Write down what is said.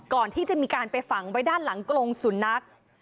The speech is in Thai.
ก่อนที่จะมีการไปฝังไว้ด้านหลังกรงสุนัข